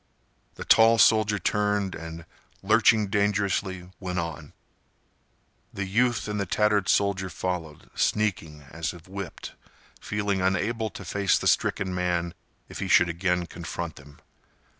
The tall soldier turned and, lurching dangerously, went on. The youth and the tattered soldier followed, sneaking as if whipped, feeling unable to face the stricken man if he should again confront them.